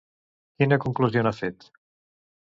Quina conclusió n'ha fet?